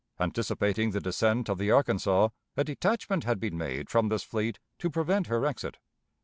Anticipating the descent of the Arkansas, a detachment had been made from this fleet to prevent her exit.